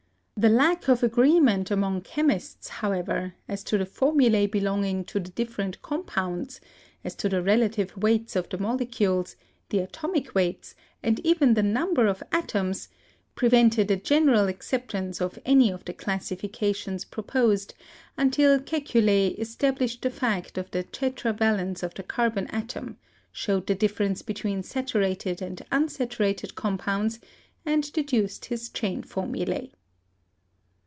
The lack of agreement among chemists, however, as to the formulae belonging to the different compounds, as to the relative weights of the molecules, the atomic weights, and even the number of atoms, pre vented a general acceptance of any of the classifications proposed until Kekule established the fact of the tetrava lence of the carbon atom, showed the difference between saturated and unsaturated compounds, and deduced his chain formulae.